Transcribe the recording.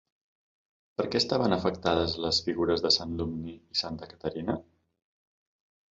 Per què estaven afectades les figures de Sant Domní i Santa Caterina?